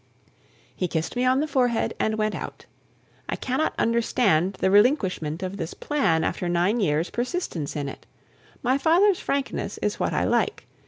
He kissed me on the forehead and went out. I cannot understand the relinquishment of this plan after nine years' persistence in it. My father's frankness is what I like.